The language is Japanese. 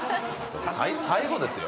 最後ですよ。